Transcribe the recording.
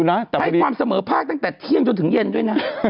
ให้ความเสมอภาคตั้งแต่เที่ยงจนถึงเย็นด้วยนะ